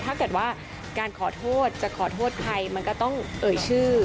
ถ้าเกิดว่าการขอโทษจะขอโทษใครมันก็ต้องเอ่ยชื่อ